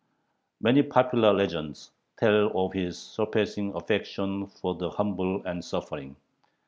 Many popular legends tell of his surpassing affection for the humble and suffering.